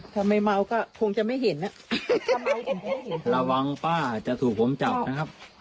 ถ้าไม่เมาก็คงจะไม่เห็นอ่ะทำไมระวังป้าจะถูกผมจับนะครับ